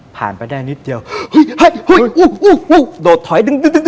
ผ่านไปได้นิดเดียวโดดถอย